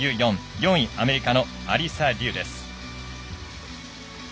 ４位、アメリカのアリサ・リュウです。